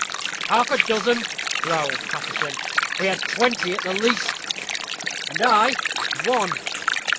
"Half a dozen!" growled Paterson; "we had twenty at the least." "And I ONE!"